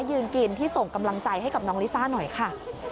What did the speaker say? ยืนกินที่ส่งกำลังใจให้กับน้องลิซ่าหน่อยค่ะ